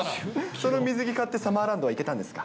その水着買ってサマーランドは行けたんですか？